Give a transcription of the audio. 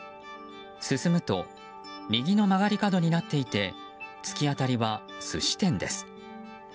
進むと右の曲がり角になっていてつき当たりは寿司店です。